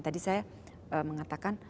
tadi saya mengatakan